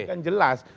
jadi kan jelas